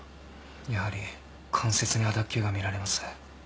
やはり関節に亜脱臼が見られます。